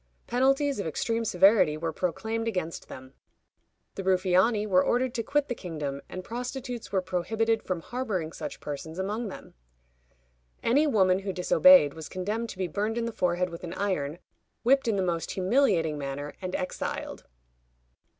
Penalties of extreme severity were proclaimed against them. The Ruffiani were ordered to quit the kingdom, and prostitutes were prohibited from harboring such persons among them. Any woman who disobeyed was condemned to be burned in the forehead with an iron, whipped in the most humiliating manner, and exiled.